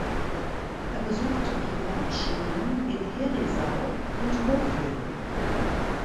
Er besuchte Privatschulen in Herisau und Hofwil.